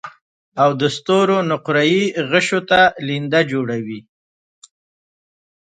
او د ستورو نقره يي غشو ته لینده جوړوي